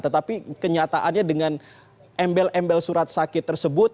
tetapi kenyataannya dengan embel embel surat sakit tersebut